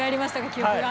記憶が。